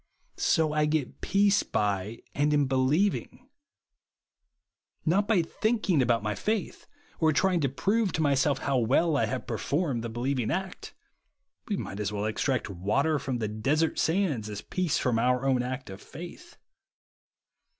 So I get peace by, and in believing ; not by thinking about my faith, or trying to prove to myself how well I have performed the believing act. We might as well extract water from the desert sands as peace from our own act of faith.